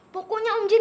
pokoknya om jun